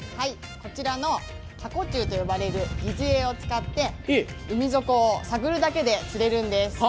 こちらのタコチュウと呼ばれる疑似餌を使って海底を探るだけで釣れるんです。